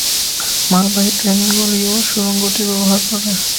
মালবাহী ট্রেনগুলিও সুড়ঙ্গটি ব্যবহার করে।